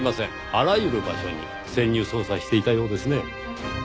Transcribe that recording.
あらゆる場所に潜入捜査していたようですね。